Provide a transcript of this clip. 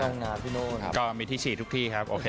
ก็มีที่ฉีทุกที่ครับ